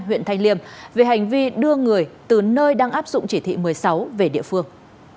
huyện thanh liêm về hành vi đưa người từ nơi đang áp dụng chỉ thị một mươi sáu về địa phương